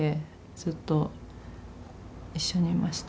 ずっと一緒にいました。